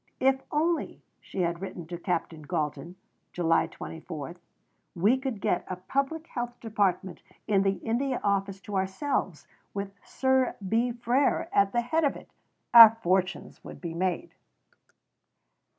"If only," she had written to Captain Galton (July 24), "we could get a Public Health Department in the India Office to ourselves with Sir B. Frere at the head of it, our fortunes would be made."